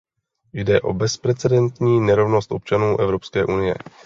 Jde o bezprecedentní nerovnost občanů Evropské unie.